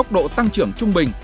tốc độ tăng trưởng trung bình